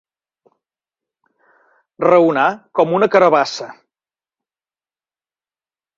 Raonar com una carabassa.